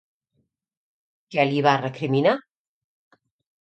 Què li va recriminar?